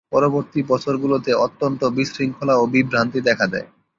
পরবর্তী বছরগুলোতে অত্যন্ত বিশৃঙ্খলা ও বিভ্রান্তি দেখা দেয়।